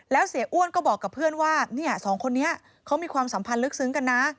แล้วเสียอ้วนก็บอกกับเพื่อนว่าเนี่ยสองคนนี้เขามีความสัมพันธ์ลึกซึ้งกันนะ